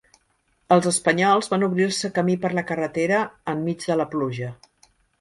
Els espanyols van obrir-se camí per la carretera enmig de la pluja.